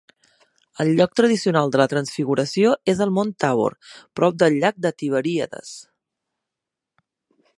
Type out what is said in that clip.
El lloc tradicional de la transfiguració és el mont Tabor, prop del llac de Tiberíades.